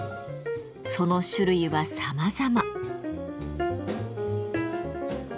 その種類はさまざま。